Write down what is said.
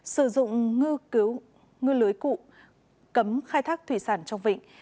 sử dụng ngư lưới cụ cấm khai thác thủy sản trong vịnh